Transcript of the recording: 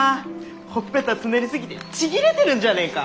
ほっぺたつねり過ぎてちぎれてるんじゃねえか？